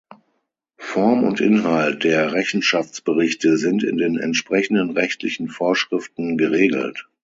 Form und Inhalt der Rechenschaftsberichte sind in den entsprechenden rechtlichen Vorschriften geregelt.